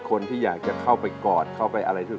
คนที่อยากจะเข้าไปกอดเข้าไปอะไร